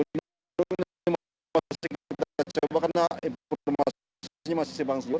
di riung gunung masih kita coba karena informasinya masih sembang sejauh